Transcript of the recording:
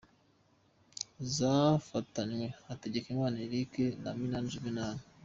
Zafatanywe Hategekimana Eric na Minani Juvenal.